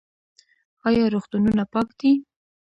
آیا روغتونونه پاک دي؟